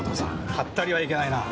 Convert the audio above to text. ハッタリはいけないな。